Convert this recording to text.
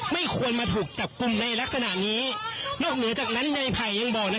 ไม่ควรมาหุดจับกลุ่มในลักษณะนี้